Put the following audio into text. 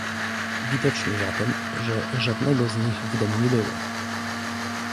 "Widocznie zatem, że żadnego z nich w domu nie było."